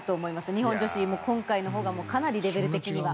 日本女子も、今回のほうがかなりレベル的には。